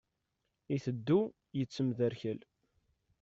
Iteddu yettemderkal.